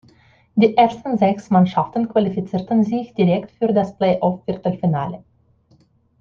Die ersten sechs Mannschaften qualifizierten sich direkt für das Play-off-Viertelfinale.